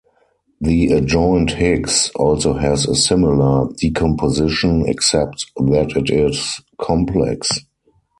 The adjoint Higgs also has a similar decomposition, except that it is complex.